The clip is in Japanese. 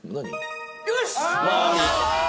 よし！